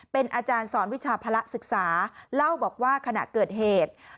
เป็นอาจารย์สอนวิชาภาระศึกษาเล่าบอกว่าขณะเกิดเหตุ